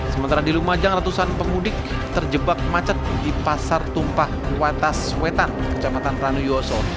sementara di lumajang ratusan pemudik terjebak macet di pasar tumpah watas wetan kecamatan ranuyoso